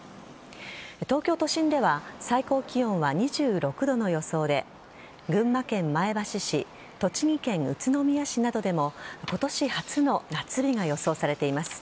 東京都心では最高気温は２６度の予想で群馬県前橋市栃木県宇都宮市などでも今年初の夏日が予想されています。